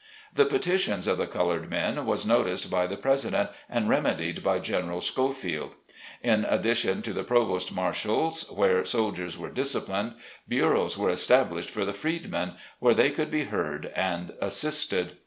The petition of the colored men was noticed by the President, and remedied by General Schofield. In addition to the Provost Marshal's, where soldiers were disciplined, bureaus were established for the freedmen, where they could be heard and assisted.